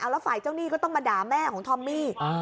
แล้วฝ่ายเจ้าหนี้ก็ต้องมาด่าแม่ของทอมมี่